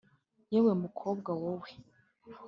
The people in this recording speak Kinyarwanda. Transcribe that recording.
Yewe mukobwa wo we!